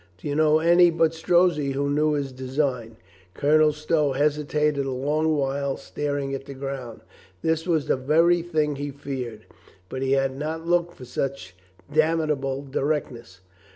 "Do you know any but Strozzi who knew his de sign?" Colonel Stow hesitated a long while, staring at the ground. This was the very thing he feared, but he had not looked for such damnable directness.